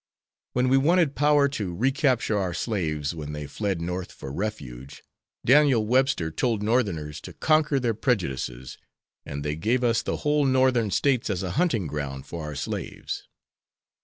When we wanted power to recapture our slaves when they fled North for refuge, Daniel Webster told Northerners to conquer their prejudices, and they gave us the whole Northern States as a hunting ground for our slaves.